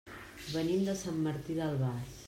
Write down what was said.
Venim de Sant Martí d'Albars.